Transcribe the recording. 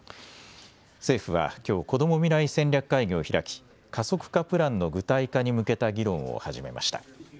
政府はきょう、こども未来戦略会議を開き加速化プランの具体化に向けた議論を始めました。